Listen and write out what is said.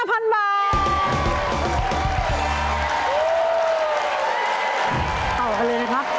ต่อกันเลยนะครับ